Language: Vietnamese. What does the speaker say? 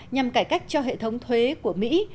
nhằm cải cách cho hệ thống thuế của mỹ